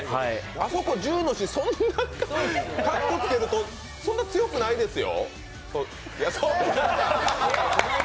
あそこ銃のシーン、そんなかっこつけるとそんな強くないですよ。